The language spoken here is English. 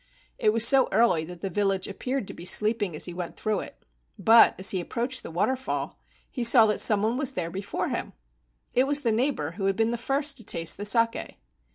It was so early that the village appeared to be sleeping as he went through it, but as he ap¬ proached the waterfall he saw that some one was there before him. It was the neighbor who had been the first to taste the saki.